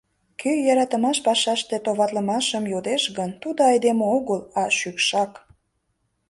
Кӧ йӧратымаш пашаште товатлымашым йодеш гын, тудо айдеме огыл, а шӱкшак!